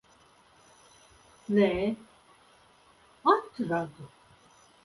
Nē, atradu.